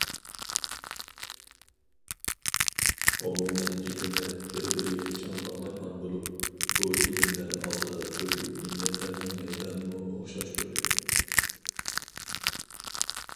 ئومۇمەن ئىلىملەر بىر بىرىگە چىڭ باغلانغان بولۇپ، بۇ ئىلىملەر ئالدىدا تۈرلۈك مىللەتلەرنىڭ مەيدانىمۇ ئوخشاشتۇر.